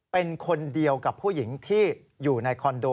เป็นคนเดียวกับผู้หญิงที่อยู่ในคอนโด